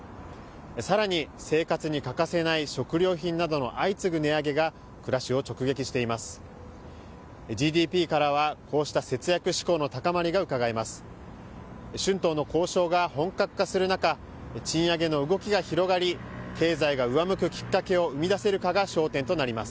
さらに生活に欠かせない食料品などの相次ぐ値上げが暮らしを直撃しています。